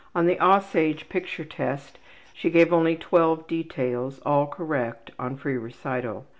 On the ``Aussage'' picture test, she gave only 12 details, all correct, on free recital.